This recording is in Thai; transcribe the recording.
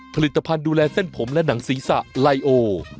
ผลิตภัณฑ์ดูแลเส้นผมและหนังศีรษะไลโอ